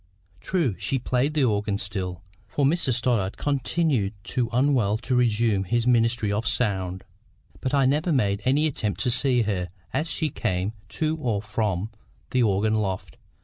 True, she played the organ still, for Mr Stoddart continued too unwell to resume his ministry of sound, but I never made any attempt to see her as she came to or went from the organ loft.